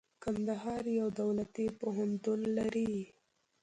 کندهار يو دولتي پوهنتون لري.